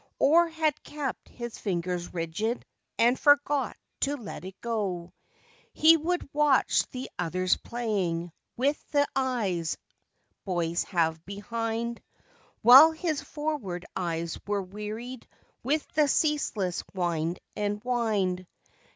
Or had kept his fingers rigid and forgot to let it go. He would watch the others playing, with the eyes boys have behind. While his forward eyes were wearied with the ceaseless wind and wind.